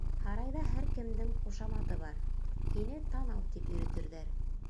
Һарайҙа һәр кемдең ҡушаматы бар. һине Танау тип йөрөтөрҙәр.